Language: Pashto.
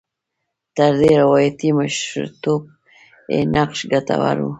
تر دې روایاتي مشرتوب یې نقش ګټور و.